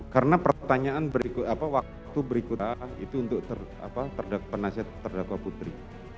karena pertanyaan berikut apa waktu berikutnya itu untuk penasihat terdakwa putri